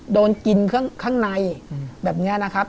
โดนกินข้างในแบบนี้นะครับ